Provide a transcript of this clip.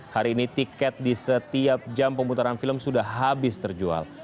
hari ini tiket di setiap jam pemutaran film sudah habis terjual